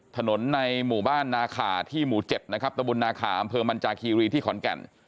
ถนนในหมู่บ้านนาขาที่หมู่๗นะครับตะบุญนาขาอำเภอมันจาคีรีที่ขอนแก่น